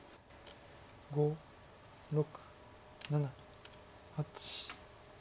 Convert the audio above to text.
５６７８。